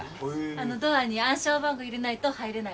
あのドアに暗証番号入れないと入れないお店。